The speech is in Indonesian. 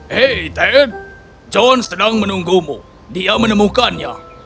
hei ted john sedang menunggumu dia menemukannya